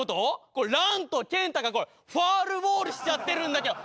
これ「ラン」と「健太」がファウルボールしちゃってるんだけど。